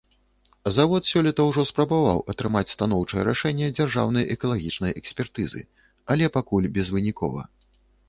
Завод сёлета ўжо спрабаваў атрымаць станоўчае рашэнне дзяржаўнай экалагічнай экспертызы, але пакуль безвынікова.